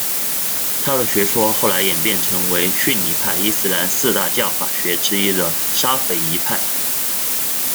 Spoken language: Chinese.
他的学说后来演变成为逊尼派伊斯兰四大教法学之一的沙斐仪派。